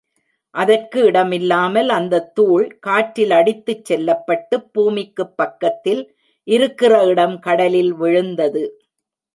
அதற்கு இடமில்லாமல் அந்தத் தூள் காற்றில் அடித்துச் செல்லப்பட்டுப் பூமிக்குப் பக்கத்தில் இருக்கிற இடம் கடலில் விழுந்தது.